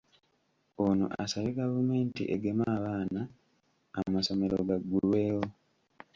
Ono asabye gavumenti egeme abaana, amasomero gaggulwewo.